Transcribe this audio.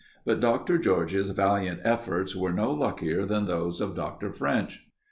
But Dr. George's valiant efforts were no luckier than those of Dr. French.